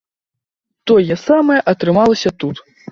Тое самае атрымалася тут.